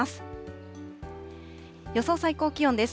予想最高気温です。